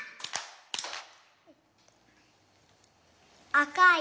「あかい」。